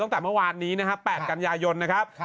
ตั้งแต่เมื่อวานนี้นะครับ๘กันยายนนะครับ